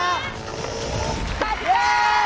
เก่งมากค่ะ